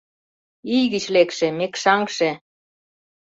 Ий гыч лекше, мекшаҥше